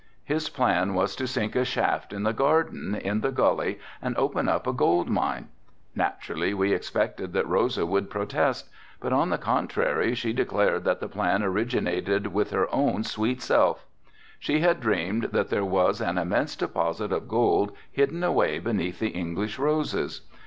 His plan was to sink a shaft in the garden in the gully and open up a gold mine. Naturally we expected that Rosa would protest, but on the contrary she declared that the plan originated with her own sweet self. She had dreamed that there was an immense deposit of gold hidden away beneath the English roses.